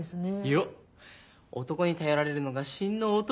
よっ男に頼られるのが真の男！